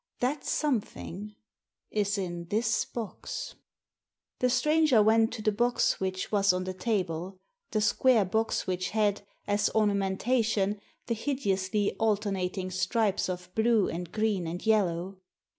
That something is in this box." The stranger went to the box which was on the table — the square box which had, as ornamentation, the hideously alternating stripes of blue and green and yellow.